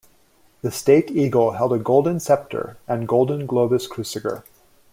The State Eagle held a golden scepter and golden globus cruciger.